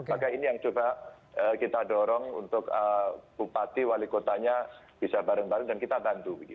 maka ini yang coba kita dorong untuk bupati wali kotanya bisa bareng bareng dan kita bantu